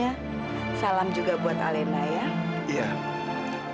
aku pula yakin